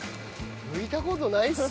むいた事ないっすよ。